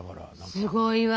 すごいわ。